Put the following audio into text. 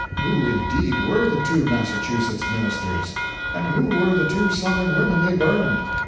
Who, indeed, were the two Massachusetts ministers? and who were the two Southern women they burned?